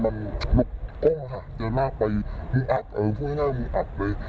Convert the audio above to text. มันหลบกล้องค่ะจะลากไปมึงอับเออพูดง่ายมึงอับเลย